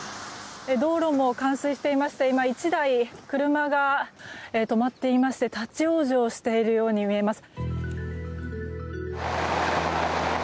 道路も冠水してしまして今、１台、車が止まっていまして立ち往生しているように見えます。